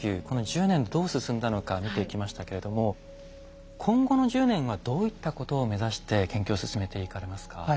この１０年でどう進んだのか見ていきましたけれども今後の１０年はどういったことを目指して研究を進めていかれますか？